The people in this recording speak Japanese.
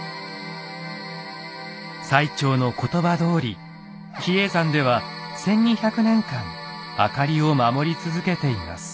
最澄の言葉どおり比叡山では１，２００年間灯りを守り続けています。